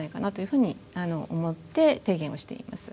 ふうに思って提言をしています。